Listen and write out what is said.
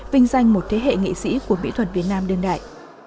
vinh danh một thế hệ nghị sĩ của mỹ thuật việt nam đơn đại